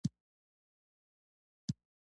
هغه د مينې بد حالت ته کتل او غلی و